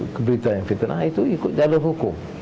kalau ada yang berita yang fitnah itu ikut jalan hukum